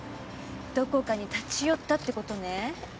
どこかに立ち寄ったってことね。